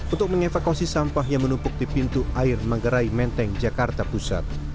untuk mengevakuasi sampah yang menumpuk di pintu air manggarai menteng jakarta pusat